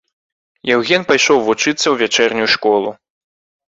Яўген пайшоў вучыцца ў вячэрнюю школу.